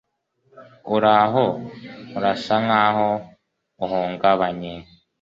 Uraho? Urasa nkaho uhungabanye.